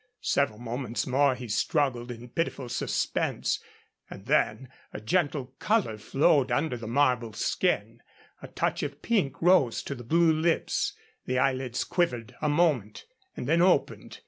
Several moments more he struggled in pitiful suspense, and then a gentle color flowed under the marble skin, a touch of pink rose to the blue lips, the eyelids quivered a moment and then opened.